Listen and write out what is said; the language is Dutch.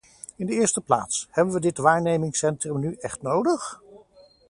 In de eerste plaats, hebben we dit waarnemingscentrum nu echt nodig?